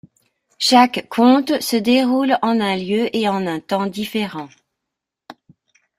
Chaque conte se déroule en un lieu et un temps différents.